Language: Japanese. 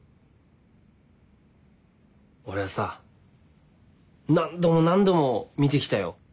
俺さ何度も何度も見て来たよ。